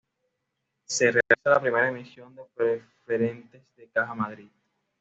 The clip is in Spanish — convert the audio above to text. Se realiza la primera emisión de preferentes de Caja Madrid.